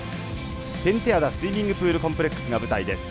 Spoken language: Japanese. ペンテアダスイミングプールコンプレックスが舞台です。